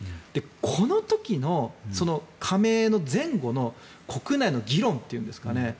この時の加盟の前後の国内の議論というんですかね